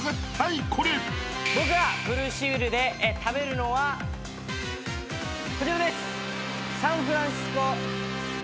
僕がブルーシールで食べるのはこちらです。